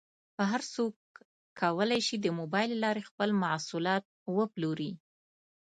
هر څوک کولی شي د مبایل له لارې خپل محصولات وپلوري.